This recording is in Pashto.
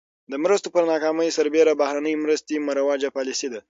د مرستو پر ناکامۍ سربېره بهرنۍ مرستې مروجه پالیسي ده.